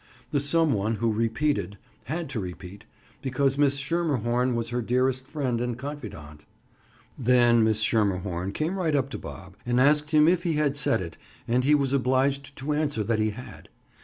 The some one who repeated, had to repeat, because Miss Schermerhorn was her dearest friend and confidante. Then Miss Schermerhorn came right up to Bob and asked him if he had said it and he was obliged to answer that he had.